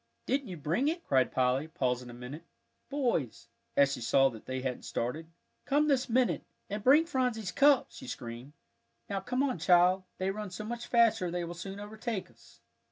"Didn't you bring it?" cried Polly, pausing a minute. "Boys," as she saw that they hadn't started, "come this minute, and bring Phronsie's cup," she screamed. "Now come on, child; they run so much faster they will soon overtake us."